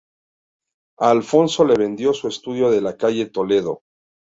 A Alfonso le vendió su estudio de la calle Toledo.